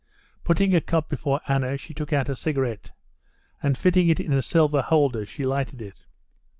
Putting a cup before Anna, she took out a cigarette, and, fitting it into a silver holder, she lighted it.